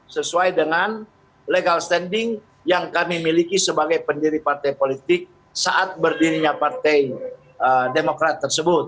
sesuai dengan legal standing yang kami miliki sebagai pendiri partai politik saat berdirinya partai demokrat tersebut